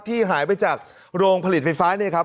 ที่หายไปจากโรงผลิตไฟฟ้าเนี่ยครับ